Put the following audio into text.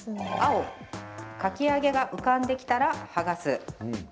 青・かき揚げが浮かんできたら剥がす。